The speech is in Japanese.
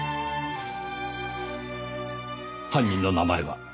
犯人の名前は？